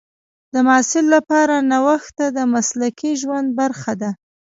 د محصل لپاره نوښت د مسلکي ژوند برخه ده.